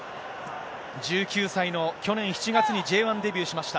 １９歳の去年７月にＪ１デビューしました。